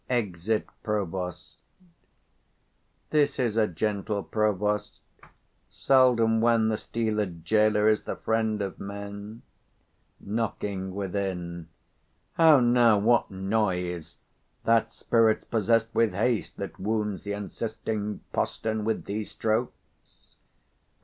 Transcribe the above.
[Exit Provost. This is a gentle provost: seldom when The steeled gaoler is the friend of men. [Knocking within. How now! what noise? That spirit's possessed with haste That wounds the unsisting postern with these strokes.